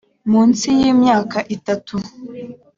munsi y imyaka itatu